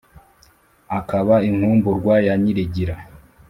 akaba inkumburwa ya nyirigira.